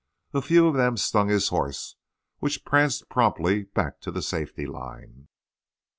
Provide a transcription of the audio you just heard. A few of them stung his horse, which pranced promptly back to the safety line.